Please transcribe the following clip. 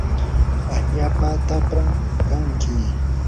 allaapa tapram kanki.